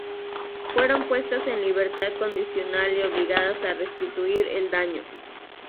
Fueron puestas en libertad condicional y obligadas a restituir el daño.